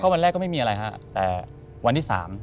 วันแรกก็ไม่มีอะไรฮะแต่วันที่๓